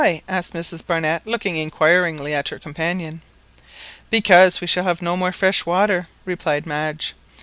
asked Mrs Barnett, looking inquiringly at her companion. "Because we shall have no more fresh water," replied Madge.